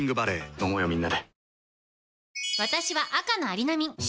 飲もうよみんなで。